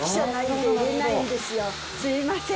すみません。